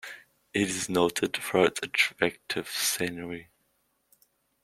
It is noted for its attractive scenery.